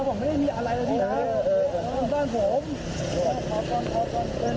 ไม่ได้มีอะไรแล้วพี่น้ำที่บ้านผมทำไมใส่แบบนี้